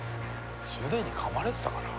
すでに噛まれてたから？